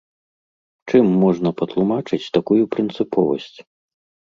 Чым можна патлумачыць такую прынцыповасць?